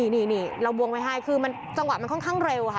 นี่เราวงไว้ให้คือมันจังหวะมันค่อนข้างเร็วค่ะ